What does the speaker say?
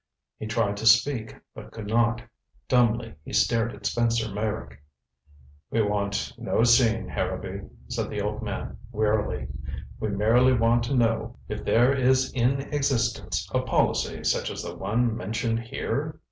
He tried to speak, but could not. Dumbly he stared at Spencer Meyrick. "We want no scene, Harrowby," said the old man wearily. "We merely want to know if there is in existence a policy such as the one mentioned here?"